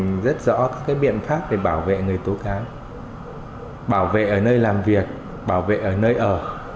mình rất rõ các biện pháp để bảo vệ người tố kháng bảo vệ ở nơi làm việc bảo vệ ở nơi ở